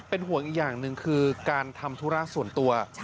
เป็นห่วงอีกอย่างหนึ่งคือการทำธุระส่วนตัว